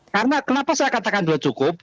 karena kenapa saya katakan sudah cukup